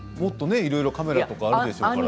カメラとかあるでしょうから。